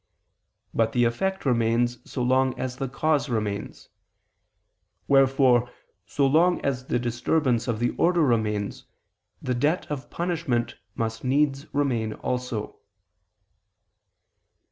But the effect remains so long as the cause remains. Wherefore so long as the disturbance of the order remains the debt of punishment must needs remain also.